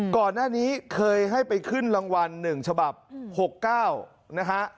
ก่อนหน้านี้เคยให้ไปขึ้นรางวัล๑ฉบับ๖๙นะฮะ